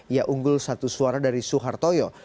ia unggul satu suara dari suhartoyo